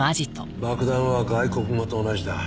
爆弾は外国語と同じだ。